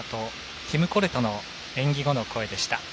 ティム・コレトの演技後の声でした。